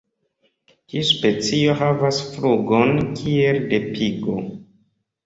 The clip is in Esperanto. Tiu specio havas flugon kiel de pigo.